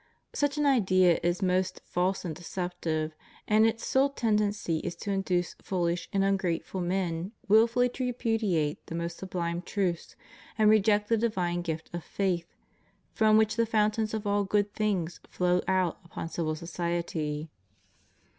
Such an idea is most false and deceptive, and its sole tendency is to induce foolish and ungrateful men wilfully to repudiate the most subHme truths, and reject the divine gift of faith, from which the fountains of all good things flow out upon civil society.